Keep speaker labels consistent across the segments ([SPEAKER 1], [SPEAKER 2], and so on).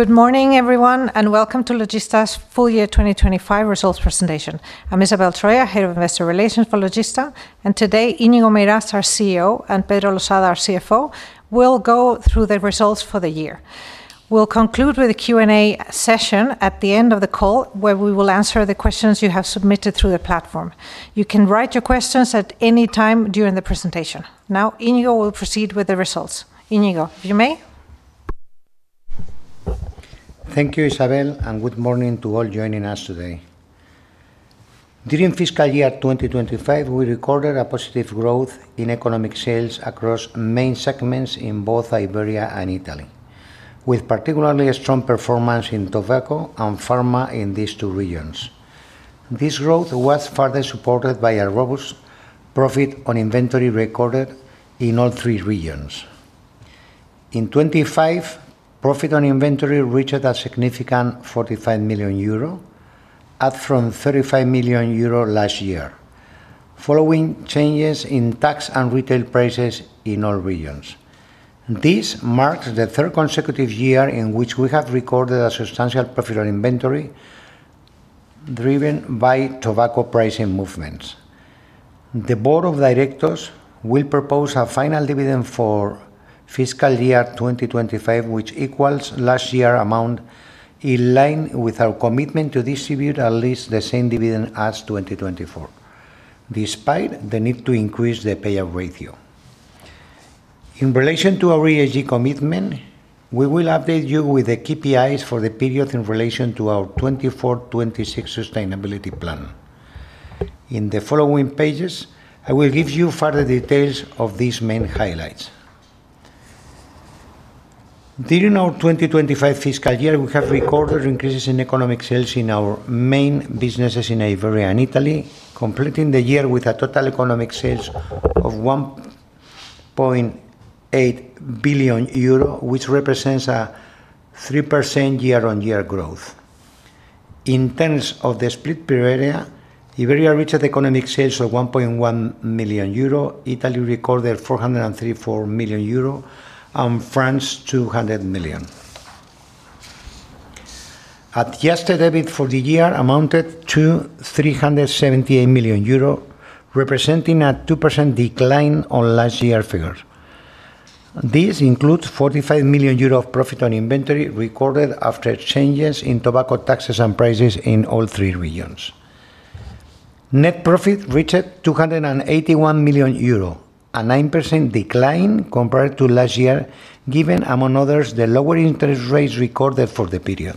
[SPEAKER 1] Good morning, everyone, and welcome to Logista's full year 2025 results presentation. I'm Isabel Troya, Head of Investor Relations for Logista, and today, Íñigo Meirás, our CEO, and Pedro Losada, our CFO, will go through the results for the year. We'll conclude with a Q&A session at the end of the call, where we will answer the questions you have submitted through the platform. You can write your questions at any time during the presentation. Now, Íñigo will proceed with the results. Íñigo, if you may.
[SPEAKER 2] Thank you, Isabel, and good morning to all joining us today. During fiscal year 2025, we recorded a positive growth in economic sales across main segments in both Iberia and Italy, with particularly strong performance in tobacco and pharma in these two regions. This growth was further supported by a robust profit on inventory recorded in all three regions. In 2025, profit on inventory reached a significant 45 million euro, up from 35 million euro last year, following changes in tax and retail prices in all regions. This marks the third consecutive year in which we have recorded a substantial profit on inventory, driven by tobacco pricing movements. The Board of Directors will propose a final dividend for fiscal year 2025, which equals last year's amount, in line with our commitment to distribute at least the same dividend as 2024, despite the need to increase the payout ratio. In relation to our ESG commitment, we will update you with the KPIs for the period in relation to our 2024-2026 Sustainability Plan. In the following pages, I will give you further details of these main highlights. During our 2025 fiscal year, we have recorded increases in economic sales in our main businesses in Iberia and Italy, completing the year with a total economic sales of 1.8 billion euro, which represents a 3% year-on-year growth. In terms of the split period, Iberia reached economic sales of 1.1 billion euro, Italy recorded 434 million euro, and France 200 million. At yesterday, for the year, amounted to 378 million euro, representing a 2% decline on last year's figures. This includes 45 million euros of profit on inventory recorded after changes in tobacco taxes and prices in all three regions. Net profit reached 281 million euro, a 9% decline compared to last year, given, among others, the lower interest rates recorded for the period.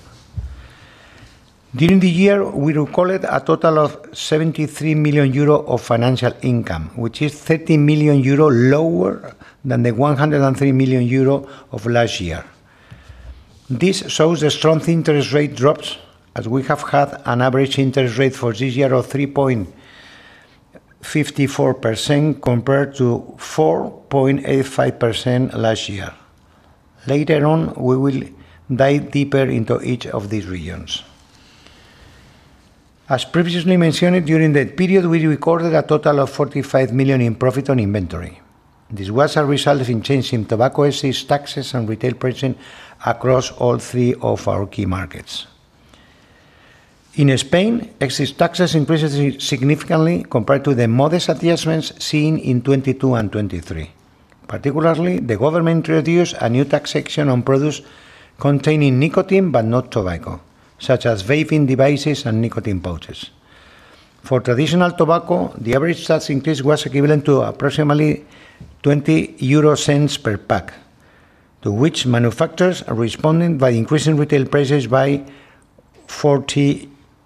[SPEAKER 2] During the year, we recorded a total of 73 million euro of financial income, which is 30 million euro lower than the 103 million euro of last year. This shows the strong interest rate drops, as we have had an average interest rate for this year of 3.54% compared to 4.85% last year. Later on, we will dive deeper into each of these regions. As previously mentioned, during the period, we recorded a total of 45 million in profit on inventory. This was a result of changes in tobacco excise taxes and retail pricing across all three of our key markets. In Spain, excise taxes increased significantly compared to the modest adjustments seen in 2022 and 2023. Particularly, the government introduced a new taxation on products containing nicotine but not tobacco, such as vaping devices and nicotine pouches. For traditional tobacco, the average tax increase was equivalent to approximately 0.20 per pack, to which manufacturers responded by increasing retail prices by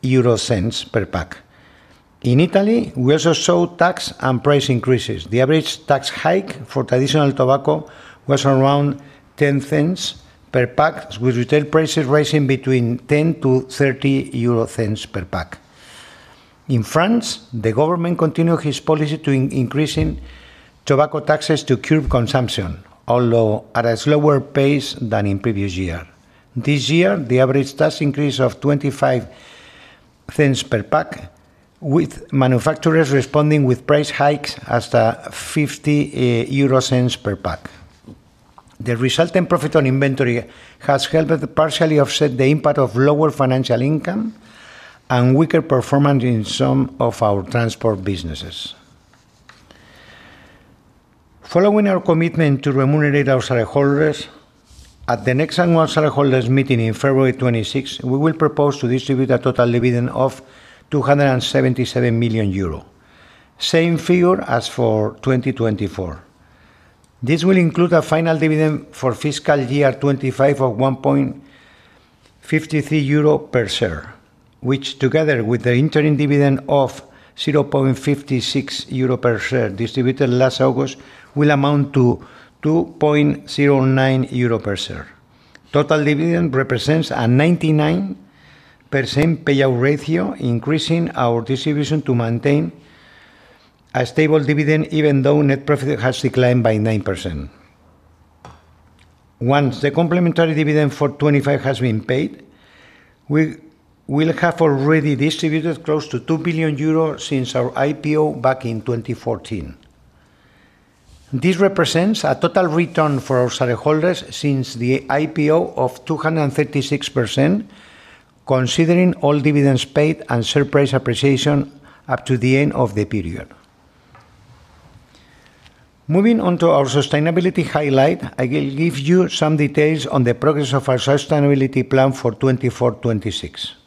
[SPEAKER 2] EUR 0.40 per pack. In Italy, we also saw tax and price increases. The average tax hike for traditional tobacco was around 0.10 per pack, with retail prices rising between 0.10 and EUR 0.30 per pack. In France, the government continued its policy to increase tobacco taxes to curb consumption, although at a slower pace than in the previous year. This year, the average tax increase was of 0.25 per pack, with manufacturers responding with price hikes as to EUR 0.50 per pack. The resulting profit on inventory has helped partially offset the impact of lower financial income and weaker performance in some of our transport businesses. Following our commitment to remunerate our shareholders, at the next annual shareholders' meeting in February 2026, we will propose to distribute a total dividend of 277 million euro, same figure as for 2024. This will include a final dividend for fiscal year 2025 of 1.53 euro per share, which, together with the interim dividend of 0.56 euro per share distributed last August, will amount to 2.09 euro per share. Total dividend represents a 99% payout ratio, increasing our distribution to maintain a stable dividend even though net profit has declined by 9%. Once the complementary dividend for 2025 has been paid, we will have already distributed close to 2 billion euros since our IPO back in 2014. This represents a total return for our shareholders since the IPO of 236%, considering all dividends paid and share price appreciation up to the end of the period. Moving on to our sustainability highlight, I will give you some details on the progress of our sustainability plan for 2024-2026.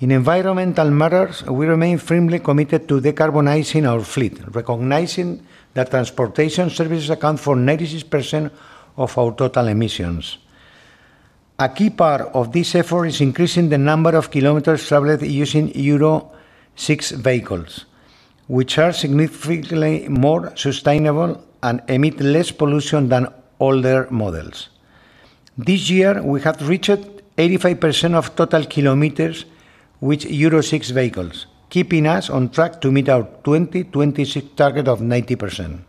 [SPEAKER 2] In environmental matters, we remain firmly committed to decarbonizing our fleet, recognizing that transportation services account for 96% of our total emissions. A key part of this effort is increasing the number of kilometers traveled using Euro 6 vehicles, which are significantly more sustainable and emit less pollution than older models. This year, we have reached 85% of total kilometers with Euro 6 vehicles, keeping us on track to meet our 2026 target of 90%.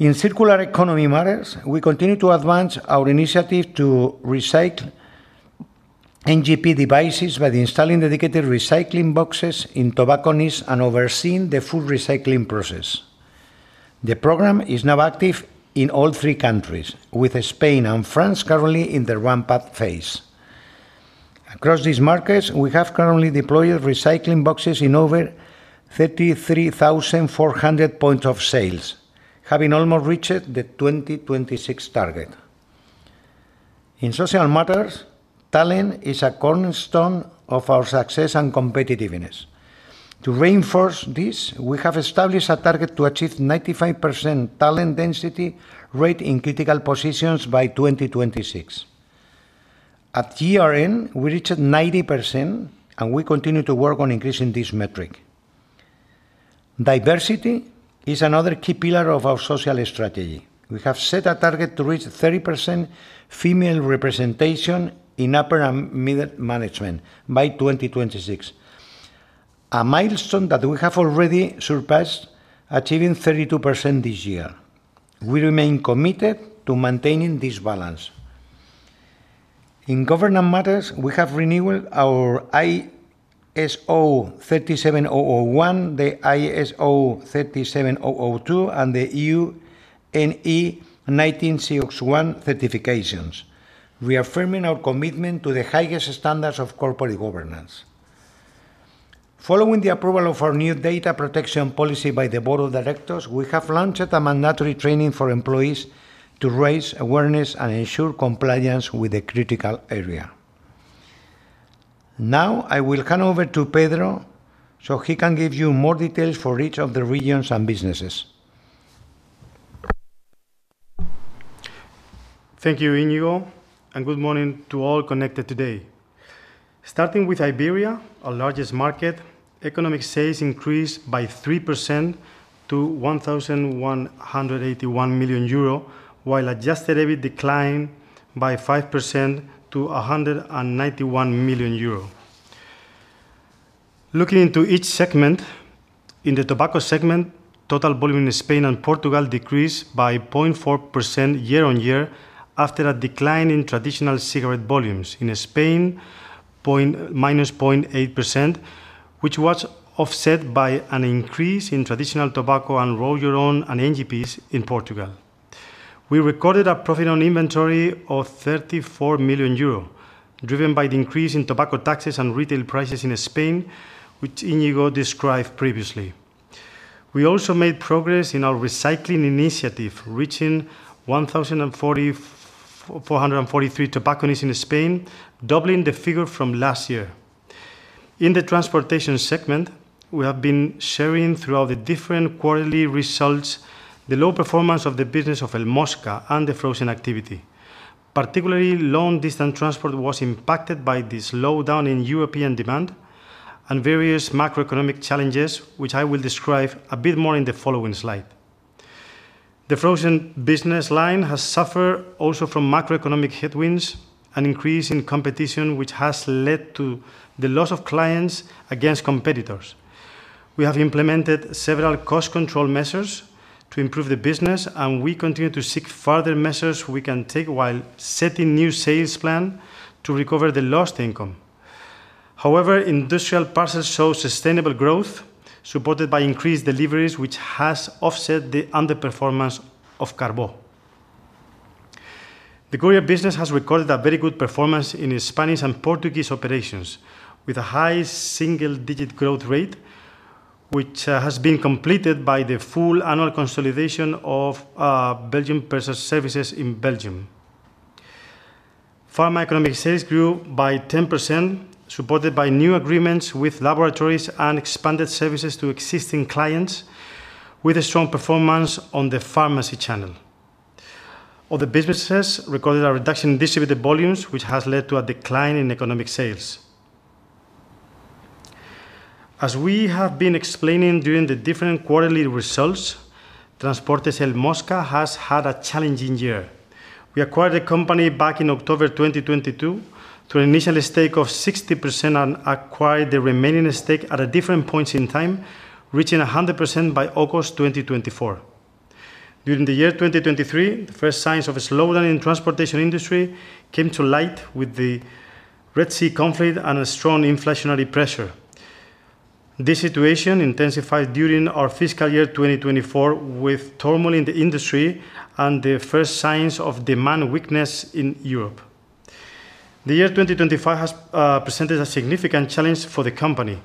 [SPEAKER 2] In circular economy matters, we continue to advance our initiative to recycle NGP devices by installing dedicated recycling boxes in tobacconists and overseeing the full recycling process. The program is now active in all three countries, with Spain and France currently in the ramp-up phase. Across these markets, we have currently deployed recycling boxes in over 33,400 points of sales, having almost reached the 2026 target. In social matters, talent is a cornerstone of our success and competitiveness. To reinforce this, we have established a target to achieve 95% talent density rate in critical positions by 2026. At GRN, we reached 90%, and we continue to work on increasing this metric. Diversity is another key pillar of our social strategy. We have set a target to reach 30% female representation in upper and middle management by 2026, a milestone that we have already surpassed, achieving 32% this year. We remain committed to maintaining this balance. In government matters, we have renewed our ISO 37001, ISO 37002, and EN ISO 19600 certifications, reaffirming our commitment to the highest standards of corporate governance. Following the approval of our new data protection policy by the Board of Directors, we have launched a mandatory training for employees to raise awareness and ensure compliance with the critical area. Now, I will hand over to Pedro so he can give you more details for each of the regions and businesses.
[SPEAKER 3] Thank you, Íñigo, and good morning to all connected today. Starting with Iberia, our largest market, economic sales increased by 3% to 1,181 million euro, while adjusted EBIT declined by 5% to 191 million euro. Looking into each segment, in the tobacco segment, total volume in Spain and Portugal decreased by 0.4% year-on-year after a decline in traditional cigarette volumes in Spain, -0.8%, which was offset by an increase in traditional tobacco and roll-your-own and NGPs in Portugal. We recorded a profit on inventory of 34 million euro, driven by the increase in tobacco taxes and retail prices in Spain, which Íñigo described previously. We also made progress in our recycling initiative, reaching 1,443 tobacconists in Spain, doubling the figure from last year. In the transportation segment, we have been sharing throughout the different quarterly results the low performance of the business of El Mosca and the frozen activity. Particularly, long-distance transport was impacted by this lowdown in European demand and various macroeconomic challenges, which I will describe a bit more in the following slide. The frozen business line has suffered also from macroeconomic headwinds and increasing competition, which has led to the loss of clients against competitors. We have implemented several cost control measures to improve the business, and we continue to seek further measures we can take while setting new sales plans to recover the lost income. However, industrial parcels show sustainable growth, supported by increased deliveries, which has offset the underperformance of Carbó. The courier business has recorded a very good performance in Spanish and Portuguese operations, with a high single-digit growth rate, which has been completed by the full annual consolidation of Belgian purchase services in Belgium. Pharma economic sales grew by 10%, supported by new agreements with laboratories and expanded services to existing clients, with a strong performance on the pharmacy channel. Other businesses recorded a reduction in distributed volumes, which has led to a decline in economic sales. As we have been explaining during the different quarterly results, transport sales at El Mosca have had a challenging year. We acquired the company back in October 2022 through an initial stake of 60% and acquired the remaining stake at different points in time, reaching 100% by August 2024. During the year 2023, the first signs of a slowdown in the transportation industry came to light with the Red Sea conflict and strong inflationary pressure. This situation intensified during our fiscal year 2024, with turmoil in the industry and the first signs of demand weakness in Europe. The year 2025 has presented a significant challenge for the company.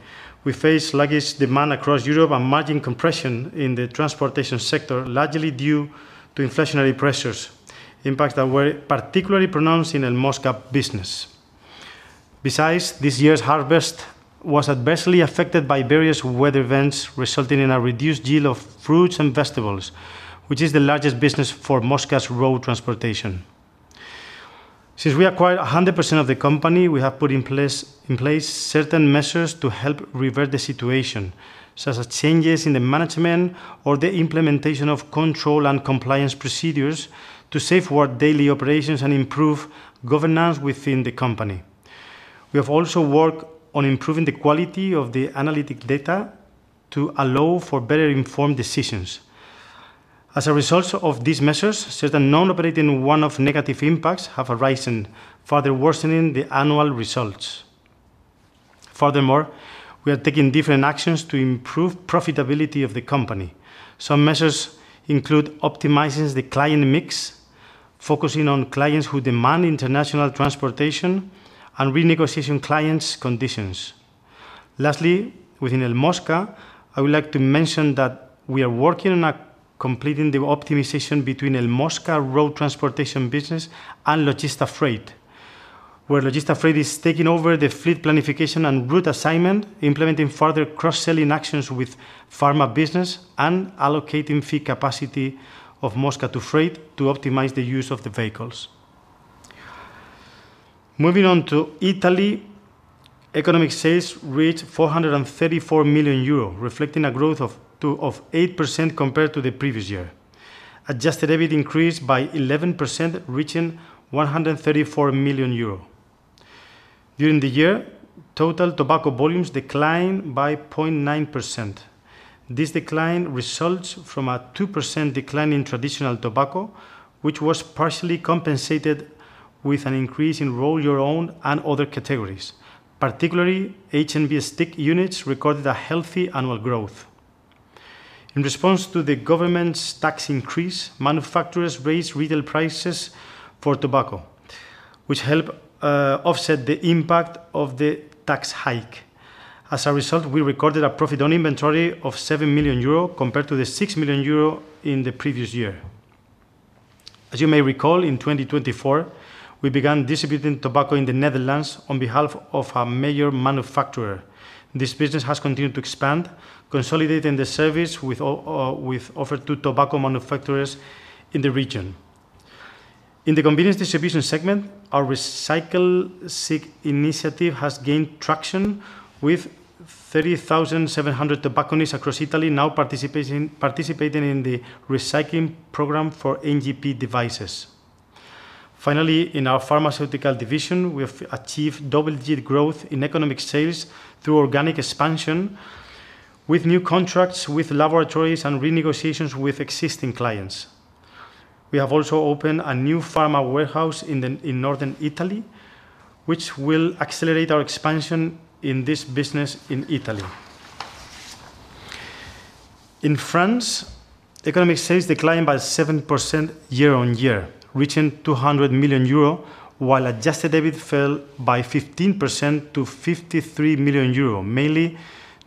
[SPEAKER 3] We faced luggage demand across Europe and margin compression in the transportation sector, largely due to inflationary pressures, impacts that were particularly pronounced in El Mosca business. Besides, this year's harvest was adversely affected by various weather events, resulting in a reduced yield of fruits and vegetables, which is the largest business for El Mosca's road transportation. Since we acquired 100% of the company, we have put in place certain measures to help revert the situation, such as changes in the management or the implementation of control and compliance procedures to safeguard daily operations and improve governance within the company. We have also worked on improving the quality of the analytic data to allow for better-informed decisions. As a result of these measures, certain non-operating one-off negative impacts have arisen, further worsening the annual results. Furthermore, we are taking different actions to improve the profitability of the company. Some measures include optimizing the client mix, focusing on clients who demand international transportation, and renegotiating clients' conditions. Lastly, within El Mosca, I would like to mention that we are working on completing the optimization between El Mosca road transportation business and Logista Freight. Where Logista Freight is taking over the fleet planification and route assignment, implementing further cross-selling actions with pharma business and allocating fee capacity of Mosca to Freight to optimize the use of the vehicles. Moving on to Italy. Economic sales reached 434 million euro, reflecting a growth of 8% compared to the previous year. Adjusted EBIT increased by 11%, reaching 134 million euro. During the year, total tobacco volumes declined by 0.9%. This decline results from a 2% decline in traditional tobacco, which was partially compensated with an increase in roll-your-own and other categories. Particularly, H&V stick units recorded a healthy annual growth. In response to the government's tax increase, manufacturers raised retail prices for tobacco, which helped offset the impact of the tax hike. As a result, we recorded a profit on inventory of 7 million euro compared to the 6 million euro in the previous year. As you may recall, in 2024, we began distributing tobacco in the Netherlands on behalf of a major manufacturer. This business has continued to expand, consolidating the service offered to tobacco manufacturers in the region. In the convenience distribution segment, our recycling initiative has gained traction with 30,700 tobacconists across Italy now participating in the recycling program for NGP devices. Finally, in our pharmaceutical division, we have achieved double-digit growth in economic sales through organic expansion with new contracts with laboratories and renegotiations with existing clients. We have also opened a new pharma warehouse in northern Italy, which will accelerate our expansion in this business in Italy. In France, economic sales declined by 7% year-on-year, reaching 200 million euro, while adjusted EBIT fell by 15% to 53 million euro, mainly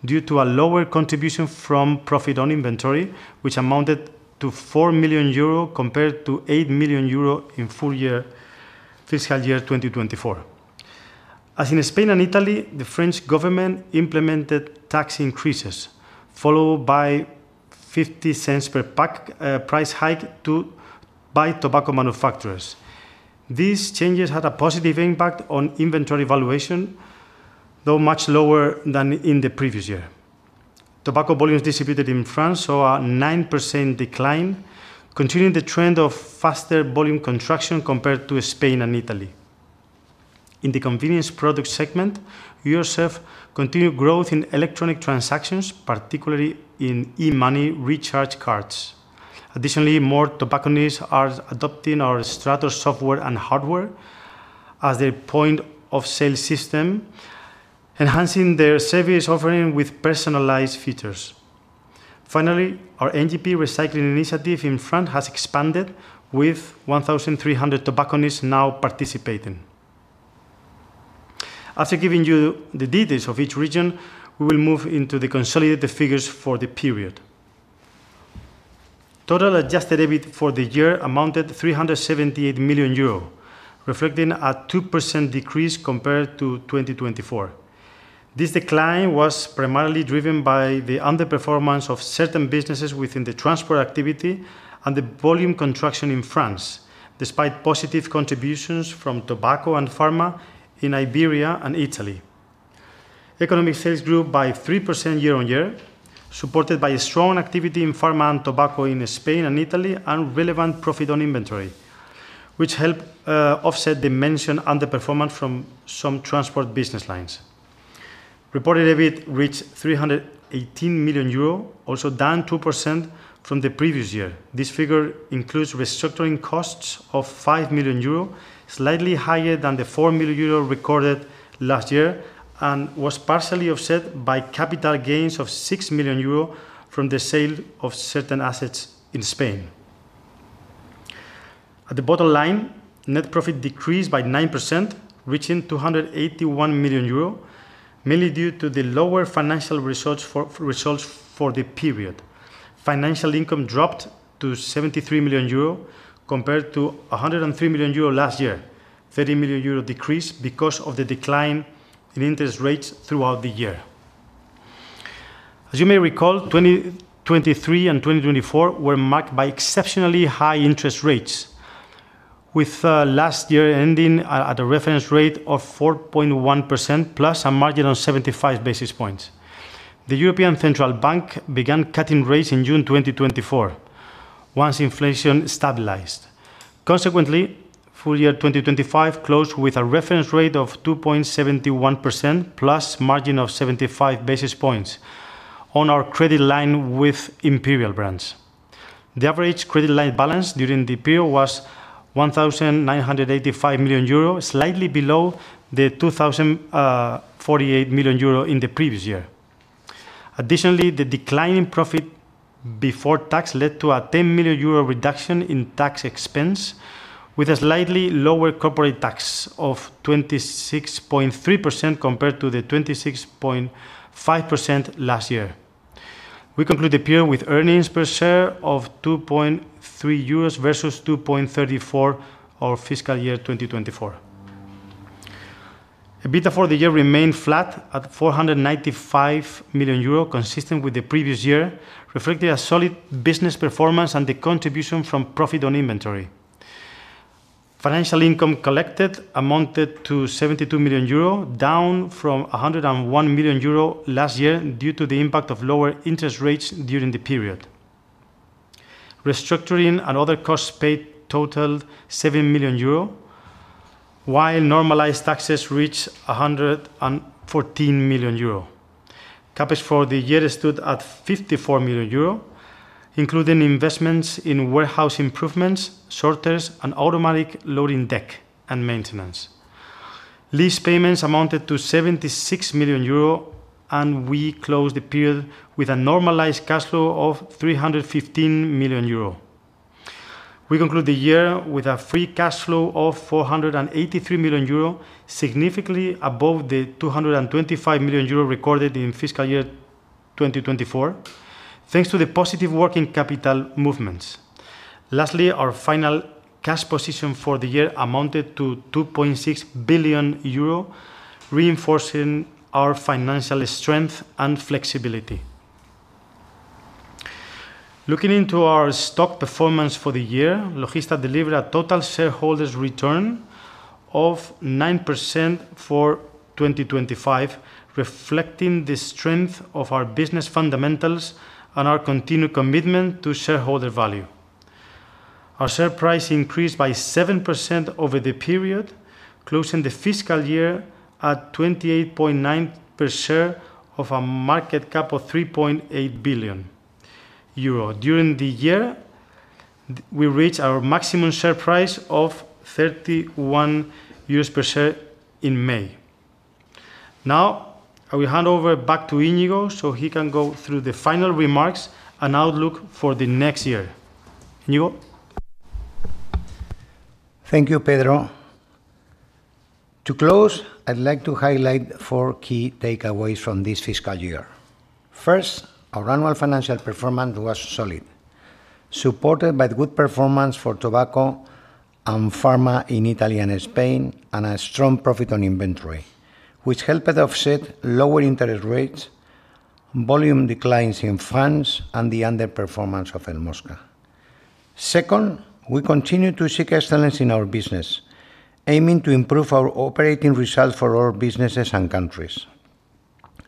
[SPEAKER 3] due to a lower contribution from profit on inventory, which amounted to 4 million euro compared to 8 million euro in full year fiscal year 2024. As in Spain and Italy, the French government implemented tax increases, followed by a 0.50 EUR per pack price hike by tobacco manufacturers. These changes had a positive impact on inventory valuation, though much lower than in the previous year. Tobacco volumes distributed in France saw a 9% decline, continuing the trend of faster volume contraction compared to Spain and Italy. In the convenience product segment, USF continued growth in electronic transactions, particularly in e-money recharge cards. Additionally, more tobacconists are adopting our Stratos software and hardware as their point of sale system, enhancing their service offering with personalized features. Finally, our NGP device recycling initiative in France has expanded, with 1,300 tobacconists now participating. After giving you the details of each region, we will move into the consolidated figures for the period. Total adjusted EBIT for the year amounted to 378 million euro, reflecting a 2% decrease compared to 2024. This decline was primarily driven by the underperformance of certain businesses within the transport activity and the volume contraction in France, despite positive contributions from tobacco and pharma in Iberia and Italy. Economic sales grew by 3% year-on-year, supported by strong activity in pharma and tobacco in Spain and Italy and relevant profit on inventory, which helped offset the mentioned underperformance from some transport business lines. Reported EBIT reached EUR 318 million, also down 2% from the previous year. This figure includes restructuring costs of 5 million euro, slightly higher than the 4 million euro recorded last year, and was partially offset by capital gains of 6 million euro from the sale of certain assets in Spain. At the bottom line, net profit decreased by 9%, reaching 281 million euro, mainly due to the lower financial results for the period. Financial income dropped to 73 million euro compared to 103 million euro last year, a 30 million euro decrease because of the decline in interest rates throughout the year. As you may recall, 2023 and 2024 were marked by exceptionally high interest rates. Last year ended at a reference rate of 4.1%+ a margin of 75 basis points. The European Central Bank began cutting rates in June 2024, once inflation stabilized. Consequently, full year 2025 closed with a reference rate of 2.71%+ a margin of 75 basis points on our credit line with Imperial Brands. The average credit line balance during the period was 1,985 million euro, slightly below the 2,048 million euro in the previous year. Additionally, the declining profit before tax led to a 10 million euro reduction in tax expense, with a slightly lower corporate tax of 26.3% compared to the 26.5% last year. We conclude the period with earnings per share of 2.3 euros versus 2.34 for fiscal year 2024. EBITDA for the year remained flat at 495 million euro, consistent with the previous year, reflecting a solid business performance and the contribution from profit on inventory. Financial income collected amounted to 72 million euro, down from 101 million euro last year due to the impact of lower interest rates during the period. Restructuring and other costs paid totaled 7 million euro. While normalized taxes reached 114 million euro. CapEx for the year stood at 54 million euro, including investments in warehouse improvements, sorters, and automatic loading deck and maintenance. Lease payments amounted to 76 million euro, and we closed the period with a normalized cash flow of 315 million euro. We conclude the year with a free cash flow of 483 million euro, significantly above the 225 million euro recorded in fiscal year 2024, thanks to the positive working capital movements. Lastly, our final cash position for the year amounted to 2.6 billion euro, reinforcing our financial strength and flexibility. Looking into our stock performance for the year, Logista delivered a total shareholders' return of 9% for 2025, reflecting the strength of our business fundamentals and our continued commitment to shareholder value. Our share price increased by 7% over the period, closing the fiscal year at 28.9 per share of a market cap of 3.8 billion euro. During the year, we reached our maximum share price of 31 euros per share in May. Now, I will hand over back to Íñigo so he can go through the final remarks and outlook for the next year. Íñigo.
[SPEAKER 2] Thank you, Pedro. To close, I'd like to highlight four key takeaways from this fiscal year. First, our annual financial performance was solid, supported by good performance for tobacco and pharma in Italy and Spain, and a strong profit on inventory, which helped offset lower interest rates, volume declines in France, and the underperformance of El Mosca. Second, we continue to seek excellence in our business, aiming to improve our operating results for our businesses and countries.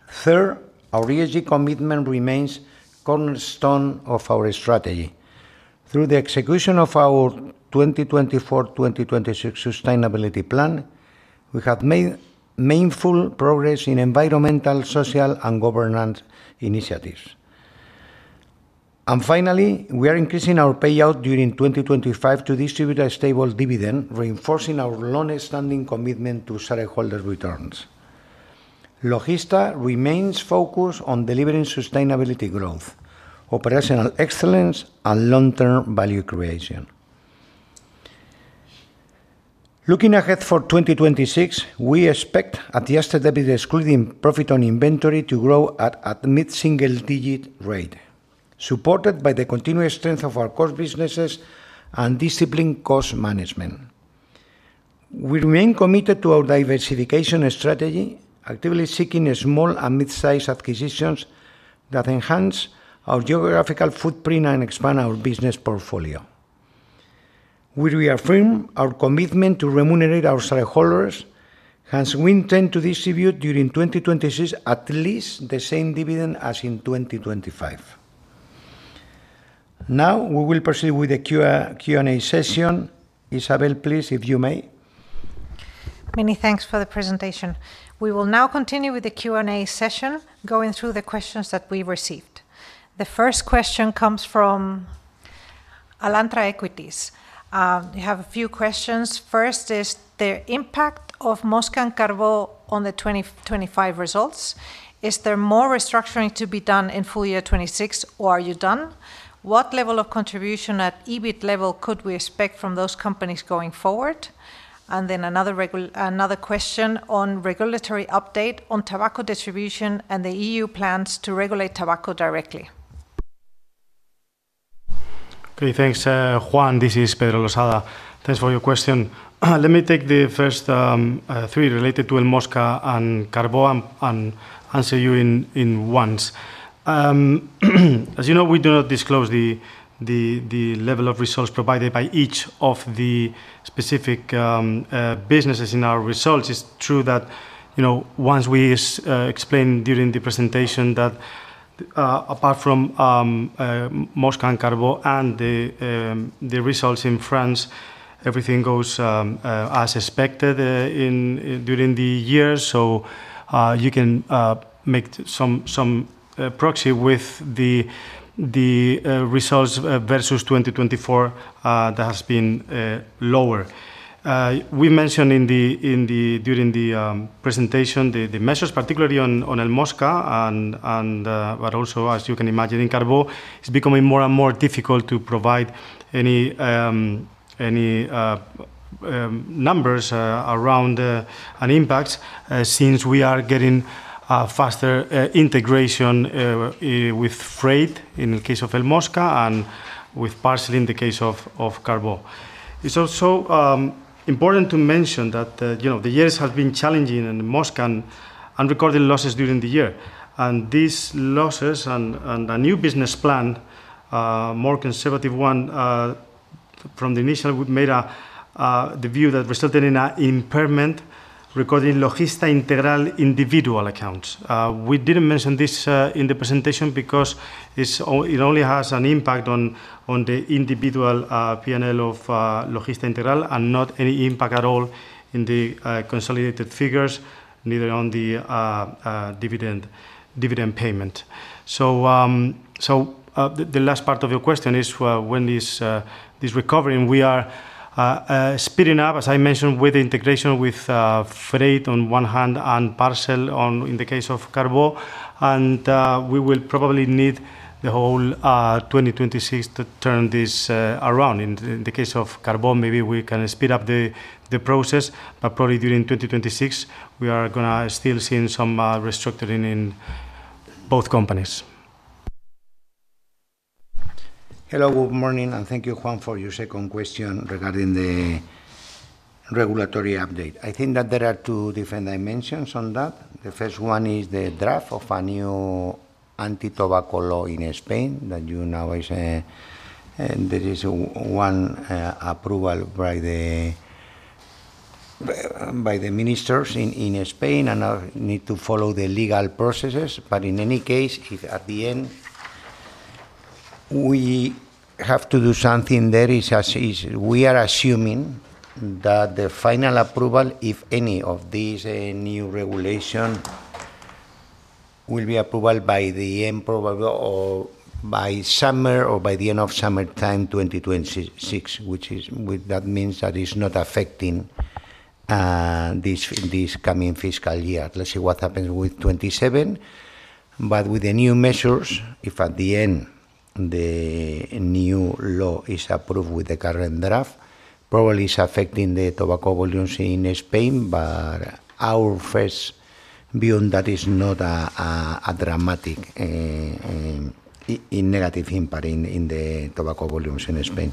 [SPEAKER 2] Third, our ESG commitment remains a cornerstone of our strategy. Through the execution of our 2024-2026 sustainability plan, we have made meaningful progress in environmental, social, and governance initiatives. Finally, we are increasing our payout during 2025 to distribute a stable dividend, reinforcing our long-standing commitment to shareholder returns. Logista remains focused on delivering sustainability growth, operational excellence, and long-term value creation. Looking ahead for 2026, we expect adjusted EBIT, excluding profit on inventory, to grow at a mid-single-digit rate, supported by the continued strength of our core businesses and disciplined cost management. We remain committed to our diversification strategy, actively seeking small and mid-sized acquisitions that enhance our geographical footprint and expand our business portfolio. We reaffirm our commitment to remunerate our shareholders, hence we intend to distribute during 2026 at least the same dividend as in 2025. Now, we will proceed with the Q&A session. Isabel, please, if you may.
[SPEAKER 1] Many thanks for the presentation. We will now continue with the Q&A session, going through the questions that we received. The first question comes from. Alantra Equities. They have a few questions. First is the impact of El Mosca and Carbó on the 2025 results. Is there more restructuring to be done in full year 2026, or are you done? What level of contribution at EBIT level could we expect from those companies going forward? Another question on regulatory update on tobacco distribution and the EU plans to regulate tobacco directly.
[SPEAKER 3] Okay, thanks, Juan. This is Pedro Losada. Thanks for your question. Let me take the first three related to El Mosca and Carbó and answer you in one. As you know, we do not disclose the level of results provided by each of the specific businesses in our results. It's true that once we explained during the presentation that, apart from El Mosca and Carbó and the results in France, everything goes as expected during the year. You can make some proxy with the results versus 2024 that has been lower. We mentioned during the presentation the measures, particularly on El Mosca. Also, as you can imagine, in Carbó, it's becoming more and more difficult to provide any numbers around and impacts since we are getting faster integration with freight in the case of El Mosca and with parcel in the case of Carbó. It's also important to mention that the years have been challenging and Mosca in recording losses during the year. These losses and a new business plan, a more conservative one from the initial, we've made the view that resulted in an impairment regarding Logista Integral individual accounts. We did not mention this in the presentation because it only has an impact on the individual P&L of Logista Integral and not any impact at all in the consolidated figures, neither on the. Dividend payment. The last part of your question is when this recovering, we are speeding up, as I mentioned, with the integration with freight on one hand and parcel in the case of Carbó. We will probably need the whole 2026 to turn this around. In the case of Carbó, maybe we can speed up the process, but probably during 2026, we are going to still see some restructuring in both companies.
[SPEAKER 2] Hello, good morning, and thank you, Juan, for your second question regarding the regulatory update. I think that there are two different dimensions on that. The first one is the draft of a new anti-tobacco law in Spain that you know is. There is one approval by the ministers in Spain, and I need to follow the legal processes. In any case, at the end, we have to do something there. We are assuming that the final approval, if any, of these new regulations will be approved by the end of summer or by the end of summertime 2026, which means that it's not affecting this coming fiscal year. Let's see what happens with 2027. With the new measures, if at the end the new law is approved with the current draft, probably it's affecting the tobacco volumes in Spain, but our first view on that is not a dramatic negative impact in the tobacco volumes in Spain.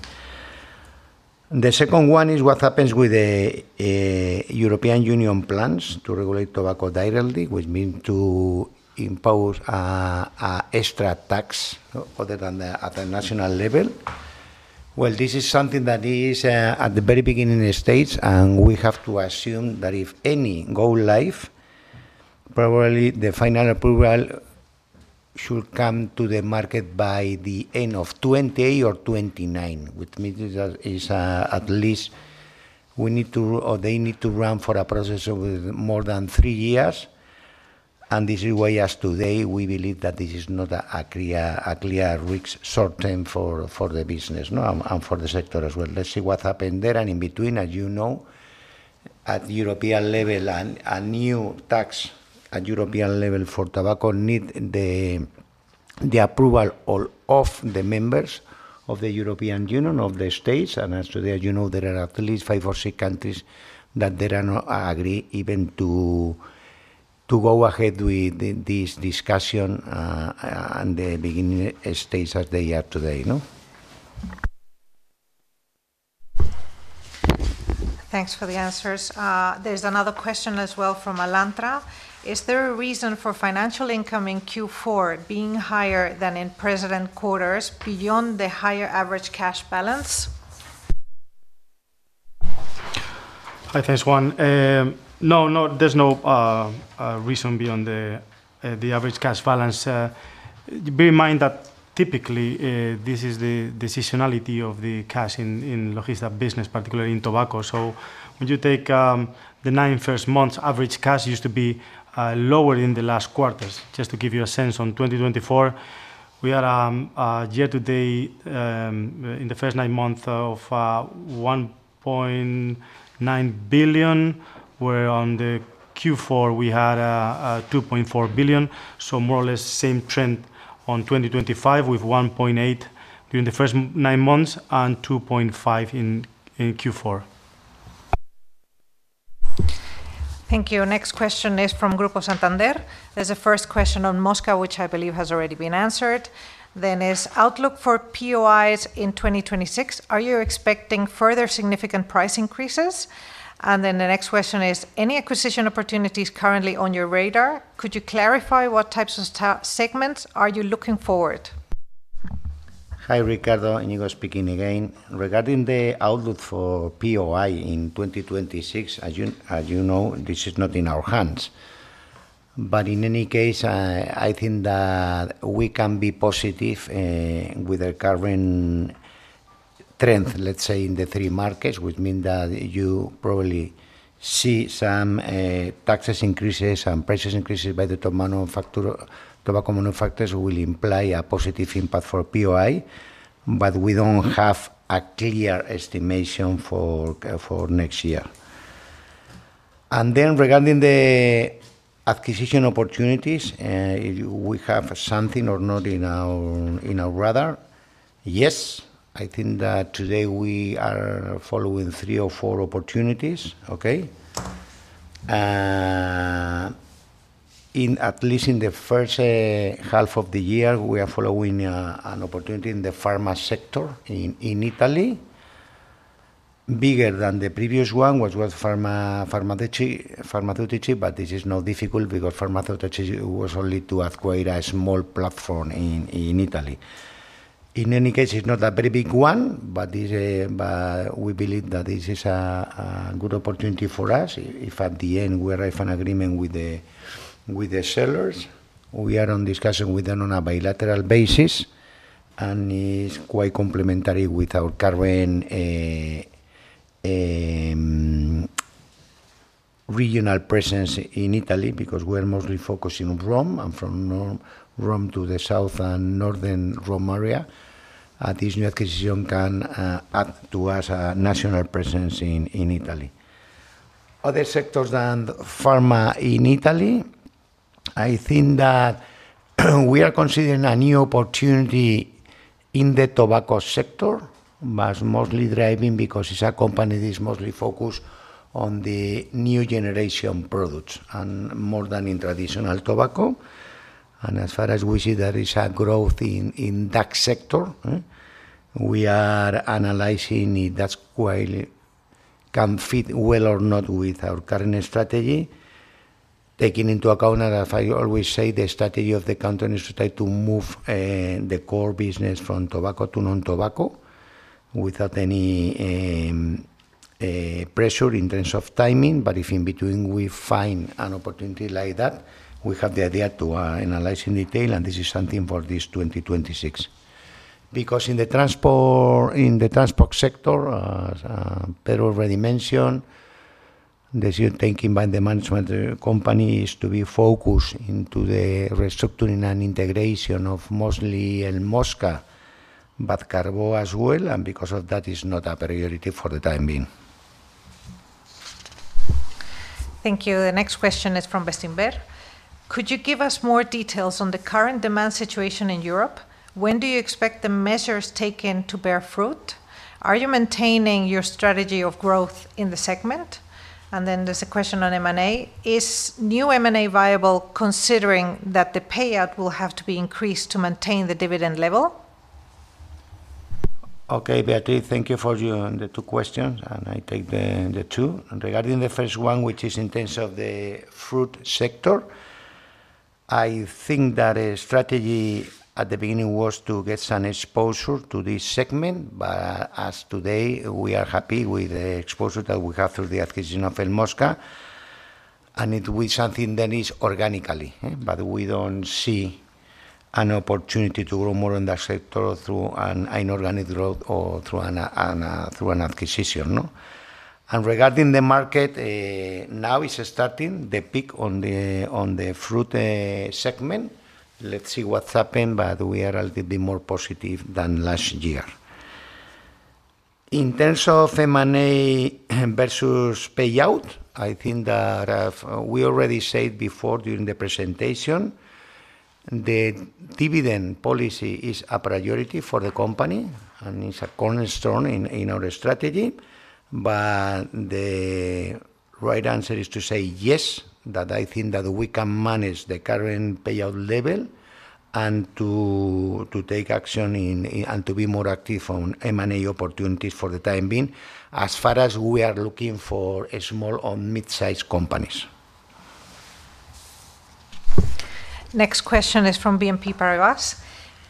[SPEAKER 2] The second one is what happens with the European Union plans to regulate tobacco directly, which means to impose an extra tax other than at the national level. This is something that is at the very beginning stages, and we have to assume that if any go live, probably the final approval. Should come to the market by the end of 2028 or 2029, which means at least we need to run for a process of more than three years. This is why as of today, we believe that this is not a clear risk short term for the business and for the sector as well. Let's see what happened there. In between, as you know, at European level, a new tax at European level for tobacco needs the approval of the members of the European Union, of the states. As of today, as you know, there are at least five or six countries that did not agree even to go ahead with this discussion in the beginning stage as they are today.
[SPEAKER 1] Thanks for the answers. There's another question as well from Alantra. Is there a reason for financial income in Q4 being higher than in previous quarters beyond the higher average cash balance?
[SPEAKER 3] Hi, thanks, Juan. No, there's no reason beyond the average cash balance. Bear in mind that typically this is the seasonality of the cash in Logista business, particularly in tobacco. When you take the first nine months, average cash used to be lower in the last quarters. Just to give you a sense, on 2024, we are year to date in the first nine months of 1.9 billion, where on the Q4 we had 2.4 billion. More or less same trend on 2025 with 1.8 billion during the first nine months and 2.5 billion in Q4.
[SPEAKER 1] Thank you. Next question is from Grupo Santander. There's a first question on El Mosca, which I believe has already been answered. Then is outlook for POIs in 2026. Are you expecting further significant price increases? The next question is, any acquisition opportunities currently on your radar? Could you clarify what types of segments are you looking forward?
[SPEAKER 2] Hi, Ricardo, Íñigo speaking again. Regarding the outlook for POI in 2026, as you know, this is not in our hands. In any case, I think that we can be positive with the current trend, let's say, in the three markets, which means that you probably see some tax increases and price increases by the tobacco manufacturers will imply a positive impact for POI, but we do not have a clear estimation for next year. Regarding the acquisition opportunities, do we have something or not in our radar? Yes. I think that today we are following three or four opportunities, at least in the first. Half of the year, we are following an opportunity in the pharma sector in Italy. Bigger than the previous one, which was pharmaceutics, but this is not difficult because pharmaceutics was only to acquire a small platform in Italy. In any case, it's not a very big one, but we believe that this is a good opportunity for us. If at the end we arrive at an agreement with the sellers, we are in discussion with them on a bilateral basis. It is quite complementary with our current regional presence in Italy because we are mostly focusing on Rome and from Rome to the south and northern Rome area. This new acquisition can add to us a national presence in Italy. Other sectors than pharma in Italy, I think that we are considering a new opportunity. In the tobacco sector, but mostly driving because it's a company that is mostly focused on the new generation products and more than in traditional tobacco. As far as we see, there is a growth in that sector. We are analyzing if that's quite, can fit well or not with our current strategy. Taking into account, as I always say, the strategy of the company is to try to move the core business from tobacco to non-tobacco without any pressure in terms of timing. If in between we find an opportunity like that, we have the idea to analyze in detail, and this is something for this 2026. In the transport sector, Pedro already mentioned, the thinking by the management company is to be focused into the restructuring and integration of mostly El Mosca, but Carbó as well. Because of that, it's not a priority for the time being.
[SPEAKER 1] Thank you. The next question is from Bastinberg. Could you give us more details on the current demand situation in Europe? When do you expect the measures taken to bear fruit? Are you maintaining your strategy of growth in the segment? There is a question on M&A. Is new M&A viable considering that the payout will have to be increased to maintain the dividend level?
[SPEAKER 2] Okay, Beatriz, thank you for the two questions, and I take the two. Regarding the first one, which is in terms of the fruit sector, I think that the strategy at the beginning was to get some exposure to this segment, but as of today, we are happy with the exposure that we have through the acquisition of El Mosca. It will be something that is organically, but we do not see. An opportunity to grow more in that sector through inorganic growth or through an acquisition. Regarding the market, now it is starting the peak on the fruit segment. Let's see what happens, but we are a little bit more positive than last year. In terms of M&A versus payout, I think that we already said before during the presentation, the dividend policy is a priority for the company and is a cornerstone in our strategy. The right answer is to say yes, that I think that we can manage the current payout level and to take action and to be more active on M&A opportunities for the time being as far as we are looking for small and mid-sized companies.
[SPEAKER 1] Next question is from BNP Paribas.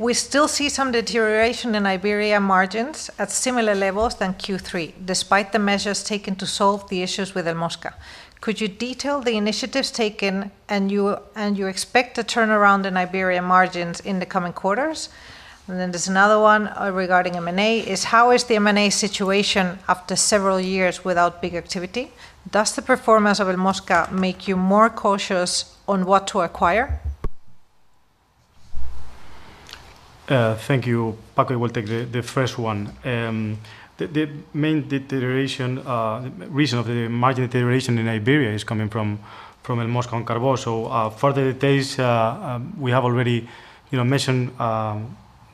[SPEAKER 1] We still see some deterioration in Iberia margins at similar levels as Q3, despite the measures taken to solve the issues with El Mosca. Could you detail the initiatives taken and do you expect a turnaround in Iberia margins in the coming quarters? There is another one regarding M&A, which is how is the M&A situation after several years without big activity? Does the performance of El Mosca make you more cautious on what to acquire?
[SPEAKER 3] Thank you. Paco will take the first one. The main reason for the margin deterioration in Iberia is coming from El Mosca and Carbó. For further details, we have already mentioned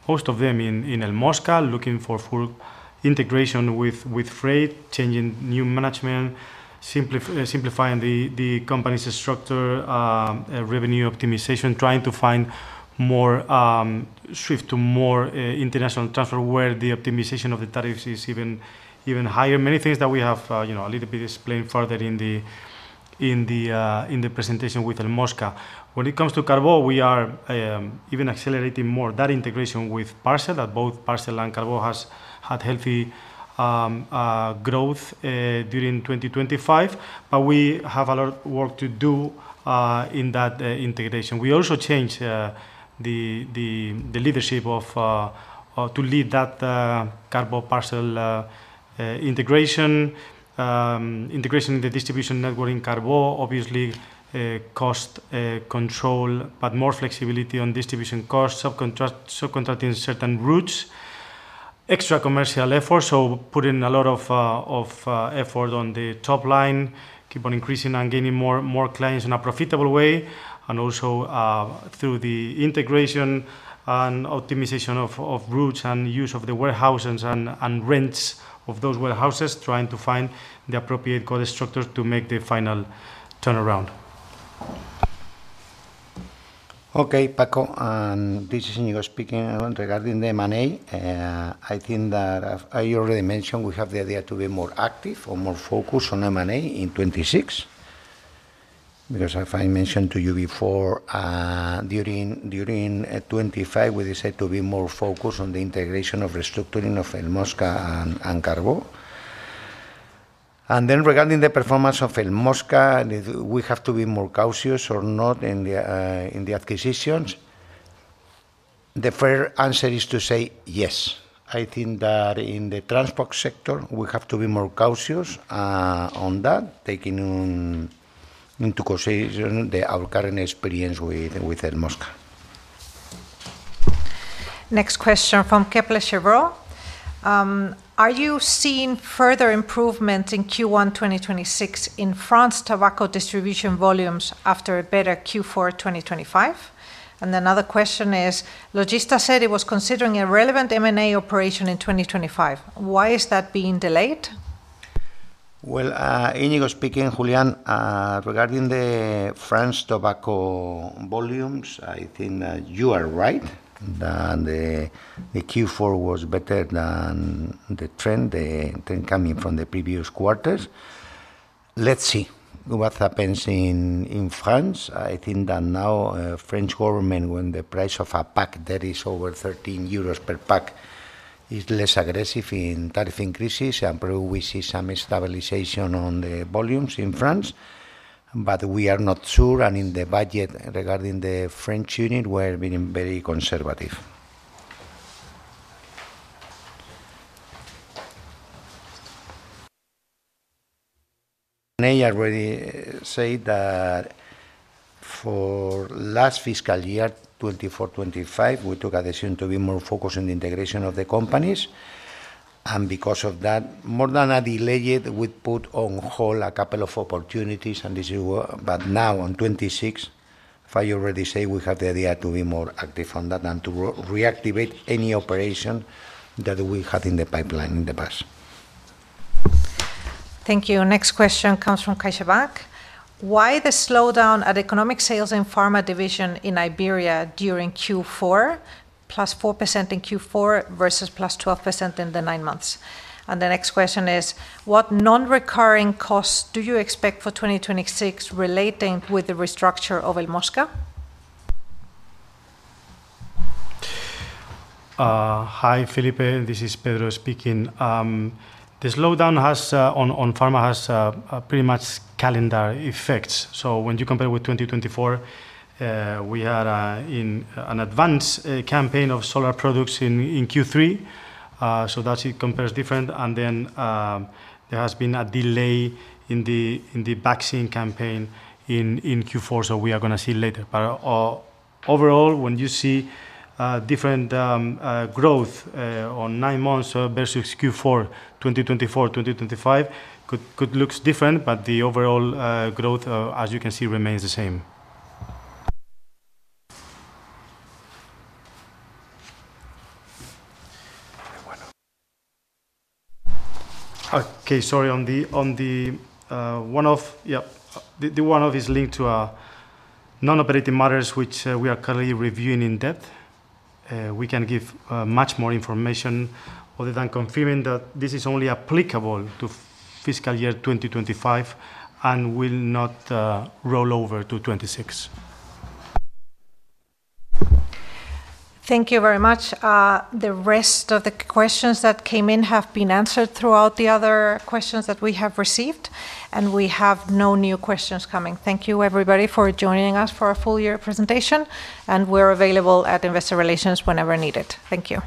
[SPEAKER 3] most of them in El Mosca, looking for integration with freight, changing new management, simplifying the company's structure, revenue optimization, trying to find more, shift to more international transfer where the optimization of the tariffs is even higher. Many things that we have a little bit explained further in the presentation with El Mosca. When it comes to Carbó, we are even accelerating more that integration with Parcel, that both Parcel and Carbó have had healthy growth during 2025, but we have a lot of work to do in that integration. We also changed the leadership to lead that Carbó-Parcel integration. Integration in the distribution network in Carbó, obviously. Cost control, but more flexibility on distribution costs, subcontracting certain routes. Extra commercial efforts, so putting a lot of effort on the top line, keep on increasing and gaining more clients in a profitable way, and also through the integration and optimization of routes and use of the warehouses and rents of those warehouses, trying to find the appropriate cost structure to make the final turnaround.
[SPEAKER 2] Okay, Paco, and this is Íñigo speaking regarding the M&A. I think that, as you already mentioned, we have the idea to be more active or more focused on M&A in 2026. Because I mentioned to you before, during 2025, we decided to be more focused on the integration of restructuring of El Mosca and Carbó. Regarding the performance of El Mosca, we have to be more cautious or not in the acquisitions. The fair answer is to say yes. I think that in the transport sector, we have to be more cautious on that, taking into consideration our current experience with El Mosca.
[SPEAKER 1] Next question from Kepler Cheuvreux. Are you seeing further improvements in Q1 2026 in France tobacco distribution volumes after a better Q4 2025? Another question is, Logista said it was considering a relevant M&A operation in 2025. Why is that being delayed?
[SPEAKER 2] Íñigo speaking, Julián, regarding the France tobacco volumes, I think that you are right. The Q4 was better than the trend, the trend coming from the previous quarters. Let's see what happens in France. I think that now the French government, when the price of a pack that is over 13 euros per pack, is less aggressive in tariff increases, and probably we see some stabilization on the volumes in France. We are not sure. In the budget regarding the French unit, we are being very conservative. I already said that. For last fiscal year, 2024-2025, we took a decision to be more focused on the integration of the companies. Because of that, more than a delay, we put on hold a couple of opportunities. Now, on 2026. I already said we have the idea to be more active on that and to reactivate any operation that we had in the pipeline in the past.
[SPEAKER 1] Thank you. Next question comes from Kaishabak. Why the slowdown at economic sales and pharma division in Iberia during Q4, +4% in Q4 versus +12% in the nine months? The next question is, what non-recurring costs do you expect for 2026 relating with the restructure of El Mosca?
[SPEAKER 3] Hi, Felipe. This is Pedro speaking. The slowdown on pharma has pretty much calendar effects. When you compare with 2024, we had an advance campaign of solar products in Q3, so it compares different. There has been a delay in the vaccine campaign in Q4, so we are going to see later. Overall, when you see different. Growth on nine months versus Q4, 2024, 2025, it could look different, but the overall growth, as you can see, remains the same. Okay, sorry. On the one-off, yeah. The one-off is linked to non-operating matters, which we are currently reviewing in depth. We can give much more information other than confirming that this is only applicable to fiscal year 2025 and will not roll over to 2026.
[SPEAKER 1] Thank you very much. The rest of the questions that came in have been answered throughout the other questions that we have received, and we have no new questions coming. Thank you, everybody, for joining us for our full year presentation, and we're available at Investor Relations whenever needed. Thank you.